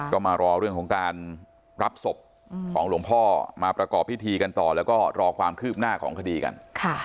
ก็มารอเรื่องของการรับศพของหลวงพ่อมาประกอบพิธีกันต่อแล้วก็รอความคืบหน้าของคดีกัน